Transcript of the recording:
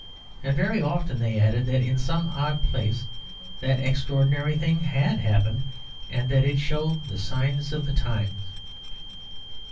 And very often they added that in some odd place that extraordinary thing had happened, and that it showed the signs of the times.